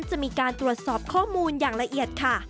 จะมีการตรวจสอบข้อมูลอย่างละเอียดค่ะ